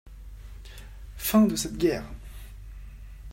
Fin de cette guerre.